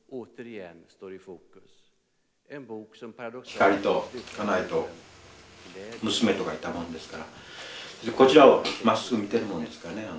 光と家内と娘とがいたもんですからこちらをまっすぐ見てるもんですからね